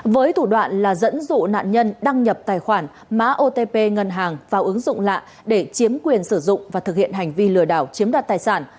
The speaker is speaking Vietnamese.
với thủ đoạn là dẫn dụ nạn nhân đăng nhập tài khoản mã otp ngân hàng vào ứng dụng lạ để chiếm quyền sử dụng và thực hiện hành vi lừa đảo chiếm đoạt tài sản